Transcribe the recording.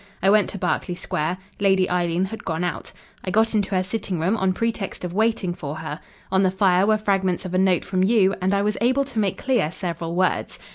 I went to Berkeley Square. Lady Eileen had gone out. I got into her sitting room on pretext of waiting for her. On the fire were fragments of a note from you, and I was able to make clear several words.